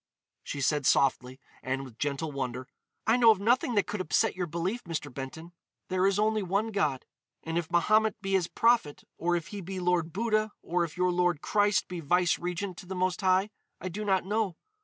She said softly, and with gentle wonder: "I know of nothing that could upset your belief, Mr. Benton. There is only one God. And if Mahomet be His prophet, or if he be Lord Buddha, or if your Lord Christ be vice regent to the Most High, I do not know.